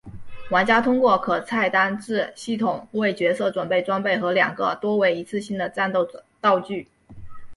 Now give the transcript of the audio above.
玩家通过可菜单制系统为角色准备装备和两个多为一次性的战斗道具。